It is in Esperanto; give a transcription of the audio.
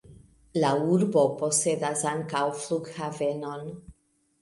La urbo posedas ankaŭ flughavenon.